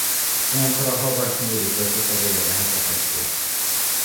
Ilyenkor a habarcs negyedik összetevője lehet a festék.